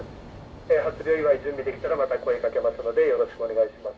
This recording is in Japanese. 初漁祝い準備できたらまた声かけますのでよろしくお願いします。